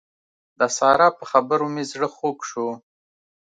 د سارا په خبرو مې زړه خوږ شو.